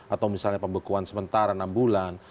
atau misalnya pembekuan sementara enam bulan